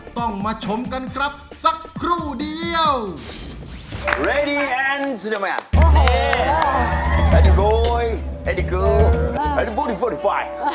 ต้องมาชมกันครับสักครู่เดียว